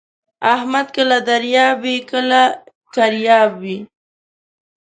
احمد کله دریاب وي کله کریاب.